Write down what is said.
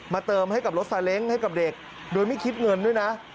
เติมให้กับรถซาเล้งให้กับเด็กโดยไม่คิดเงินด้วยนะ